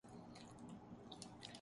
عزت افزائی بھی بہت ہو جائے گی۔